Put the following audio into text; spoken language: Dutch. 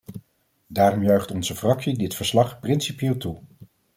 Daarom juicht onze fractie dit verslag principieel toe.